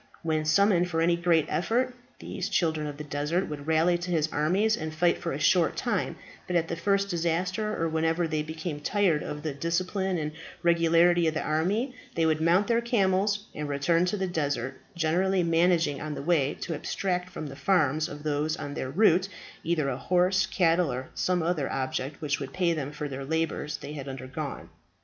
When summoned for any great effort, these children of the desert would rally to his armies and fight for a short time; but at the first disaster, or whenever they became tired of the discipline and regularity of the army, they would mount their camels and return to the desert, generally managing on the way to abstract from the farms of those on their route either a horse, cattle, or some other objects which would pay them for the labours they had undergone.